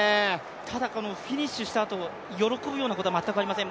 ただ、このフィニッシュしたあと喜ぶようなこと全くありません。